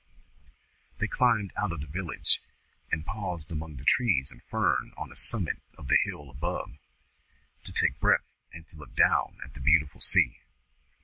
They climbed out of the village, and paused among the trees and fern on the summit of the hill above, to take breath, and to look down at the beautiful sea.